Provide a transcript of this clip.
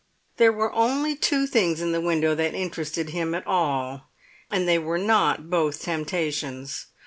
There were only two things in the window that interested him at all, and they were not both temptations.